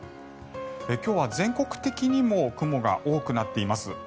今日は全国的にも雲が多くなっています。